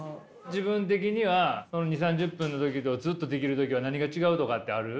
自分的には２０３０分の時とずっとできる時は何が違うとかってある？